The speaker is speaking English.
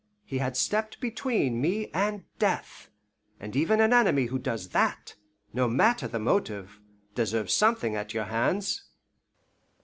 He had stepped between me and death, and even an enemy who does that, no matter what the motive, deserves something at your hands.